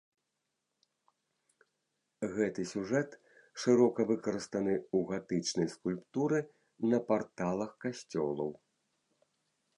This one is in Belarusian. Гэты сюжэт шырока выкарыстаны ў гатычнай скульптуры на парталах касцёлаў.